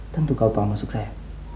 tentu kau paham maksud saya